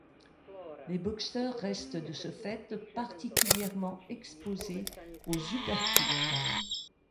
Les boxeurs restent de ce fait particulièrement exposés aux uppercuts.